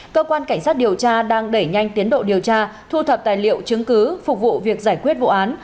cơ quan cảnh sát điều tra đang đẩy nhanh tiến độ điều tra thu thập tài liệu chứng cứ phục vụ việc giải quyết vụ án